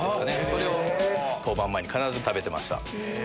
それを登板前に必ず食べてました。